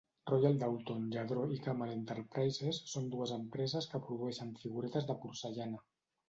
Royal Doulton, Lladró i Camal Enterprises són dues empreses que produeixen figuretes de porcellana.